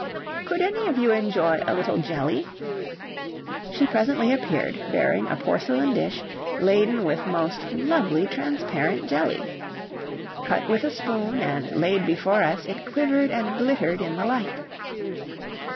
"Could any of you enjoy a little jelly?" She presently appeared, bearing a porcelain dish laden with most lovely transparent jelly. Cut with a spoon and laid before us it quivered and glittered in the light.